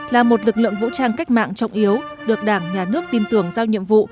là một lực lượng vũ trang cách mạng trọng yếu được đảng nhà nước tin tưởng giao nhiệm vụ